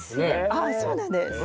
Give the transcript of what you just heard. ああそうなんです。